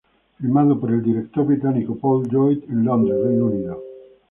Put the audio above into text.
Filmado por el director británico Paul Boyd en Londres, Reino Unido.